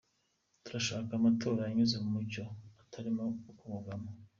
Turashaka amatora anyuze mu mucyo, atarimo kubogama.